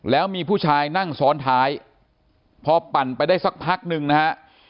แล้วมีผู้ชายนั่งซ้อนท้ายพอปั่นไปได้สักพักนึงนะฮะ